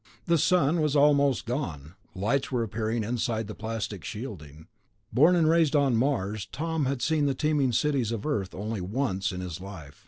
The sun was almost gone; lights were appearing inside the plastic shielding. Born and raised on Mars, Tom had seen the teeming cities of Earth only once in his life